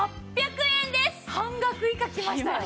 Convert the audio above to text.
半額以下きましたよ。